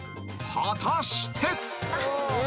果たして！？